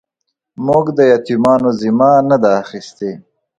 موږ د يتيمانو ذمه نه ده اخيستې.